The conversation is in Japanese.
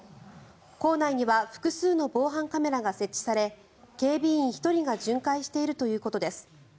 校内には複数の防犯カメラが設置され警備員１人が巡回しているということです。